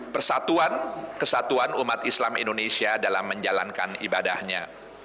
persatuan kesatuan umat islam indonesia dalam menjalankan ibadahnya